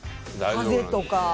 風とか。